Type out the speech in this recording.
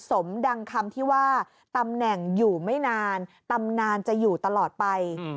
สมดังคำที่ว่าตำแหน่งอยู่ไม่นานตำนานจะอยู่ตลอดไป